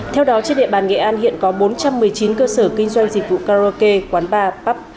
theo đó trên địa bàn nghệ an hiện có bốn trăm một mươi chín cơ sở kinh doanh dịch vụ karaoke quán bar pub